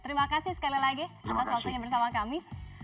terima kasih sekali lagi mas walsing yang bersama kami